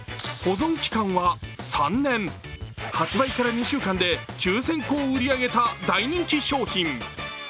保存期間は３年、発売から２週間で９０００個を売り上げた大人気商品。